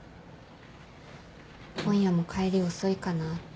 今夜も帰り遅いかなって。